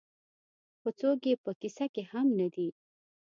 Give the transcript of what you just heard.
خو څوک یې په کيسه کې هم نه دي.